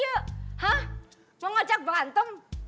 hah mau ngajak berantem